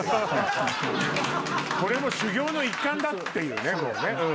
これも修業の一環だっていうね。